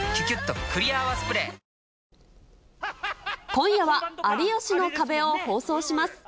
今夜は、有吉の壁を放送します。